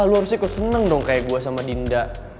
lo harusnya kok seneng dong kayak gue sama dinda